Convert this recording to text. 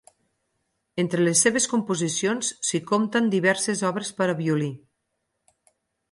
Entre les seves composicions s'hi compten diverses obres per a violí.